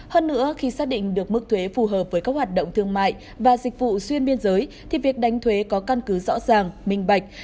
hơn nữa khi xác định được mức thuế phù hợp với các hoạt động thương mại và dịch vụ xuyên biên giới thì việc đánh thuế có căn cứ rõ ràng minh bạch